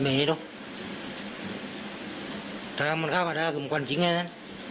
แทงไปแล้วได้ดูว่ามันแทงตรงไหนยังไงด้วยมั้ย